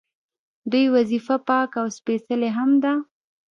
دوی وظیفه پاکه او سپیڅلې هم ده.